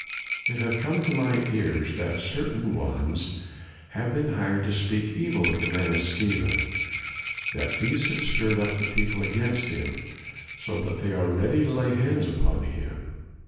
"It hath come to my ears that certain ones have been hired to speak evil of the man Stephen; that these have stirred up the people against him so that they are ready to lay hands upon him.